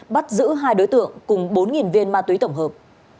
bắt giữ hai đối tượng cùng bốn viên ma túy tổng hợp